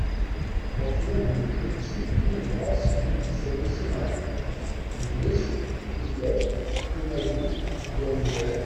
Ɣef wudem n tmetti i nebɣa seg yidisan-is meṛṛa: idles, tutlayt, timagit, d wayen-nniḍen.